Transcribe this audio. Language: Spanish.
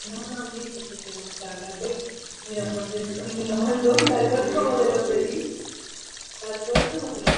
Se fue sin decir ni pío